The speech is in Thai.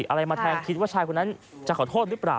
อะไรมาแทงคิดว่าชายคนนั้นจะขอโทษหรือเปล่า